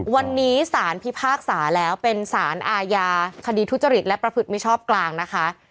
วันนี้สารพิพากษาแล้วเป็นสารอาญาคดีทุจริตและประพฤติมิชอบกลางนะคะ